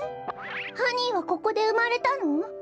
ハニーはここでうまれたの？